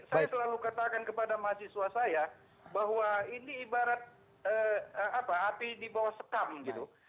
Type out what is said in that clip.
saya selalu katakan kepada mahasiswa saya bahwa ini ibarat api di bawah sekam gitu